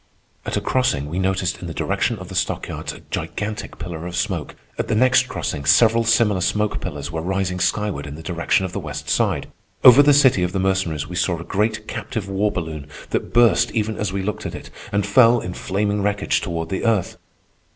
At a crossing we noticed, in the direction of the stockyards, a gigantic pillar of smoke. At the next crossing several similar smoke pillars were rising skyward in the direction of the West Side. Over the city of the Mercenaries we saw a great captive war balloon that burst even as we looked at it, and fell in flaming wreckage toward the earth.